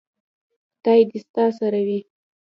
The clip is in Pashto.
خدای دې ستا سره وي .